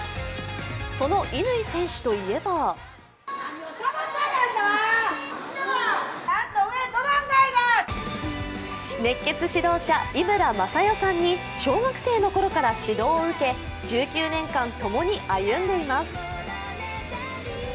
その乾選手といえば熱血指導者・井村雅代さんに小学生のころから指導を受け１９年間ともに歩んでいます。